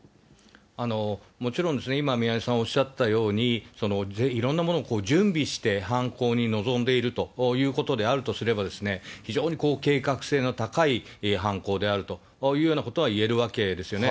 もちろんですね、今宮根さんおっしゃったように、いろんなものを準備して犯行に臨んでいるということであるとすれば、非常に計画性の高い犯行であるというようなことはいえるわけですよね。